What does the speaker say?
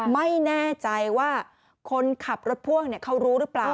ไม่แน่ใจว่าคนขับรถพ่วงเขารู้หรือเปล่า